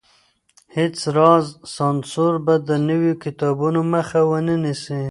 هيڅ راز سانسور به د نويو کتابونو مخه ونه نيسي.